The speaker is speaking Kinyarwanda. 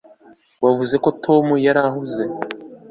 wavuze ko tom yari ahuze